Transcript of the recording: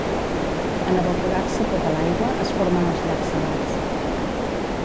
En evaporar-se tota l'aigua, es formen els llacs salats.